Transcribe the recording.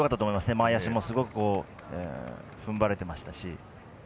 前足もすごくふんばれてましたし。